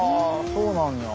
そうなんや。